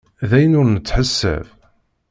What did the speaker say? D ayen ur nettneḥsab.